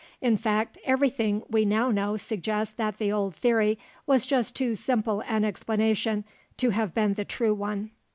In fact, everything we now know suggests that the old theory was just too simple an explanation to have been the true one.